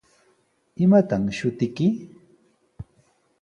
¿Imataq shutiyki?